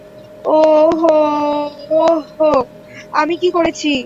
ওওহ, ওওহ আমি কি করেছি?